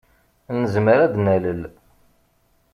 Nezmer ad d-nalel.